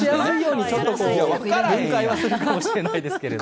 分解はするかもしれないですけれども。